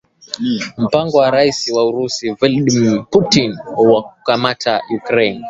Mpango wa Raisi wa Urusi Vladmir Putin wa kuikamata Ukraine